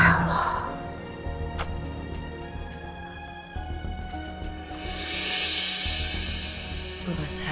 dia sedang ada urusan